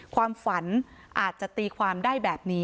ความฝันอาจจะตีความได้แบบนี้